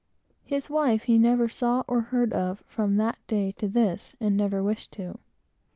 His wife he never saw, or heard of, from that day to this, and never wished to.